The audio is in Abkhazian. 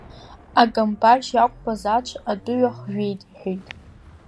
Акамбашь иақәԥаз ацә атәыҩа хжәеит иҳәеит.